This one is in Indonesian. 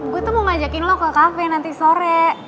gue tuh mau ngajakin lo ke kafe nanti sore